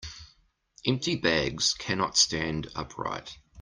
Empty bags cannot stand upright.